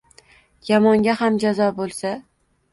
Yomonga ham jazo bo’lsa